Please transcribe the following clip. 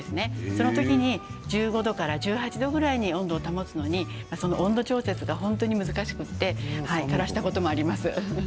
その時に１５度から１８度ぐらいに温度を保つのにその温度調節が本当に難しくて枯らしたこともあります。